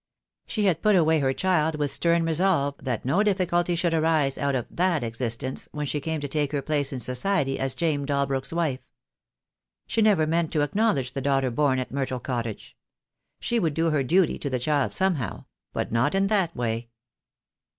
She had put away her child with stern resolve that no difficulty should arise out of that existence when she came to take her place in society as James Dalbrook's wife. She never meant to acknowledge the daughter born at Myrtle Cottage. She would do her duty to the child somehow; but not in that way.